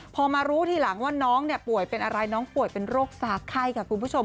พอมารู้ทีหลังว่าน้องเนี่ยป่วยเป็นอะไรน้องป่วยเป็นโรคสาไข้ค่ะคุณผู้ชม